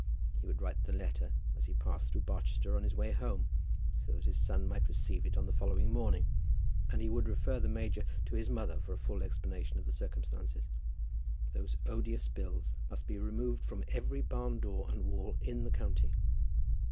He would write the letter as he passed through Barchester, on his way home, so that his son might receive it on the following morning; and he would refer the major to his mother for a full explanation of the circumstances. Those odious bills must be removed from every barn door and wall in the county.